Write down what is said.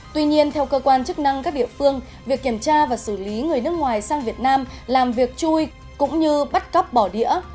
tuy nhiên theo cơ quan chức năng các địa phương việc kiểm tra và xử lý người nước ngoài sang việt nam làm việc chui cũng như bắt cóc bỏ đĩa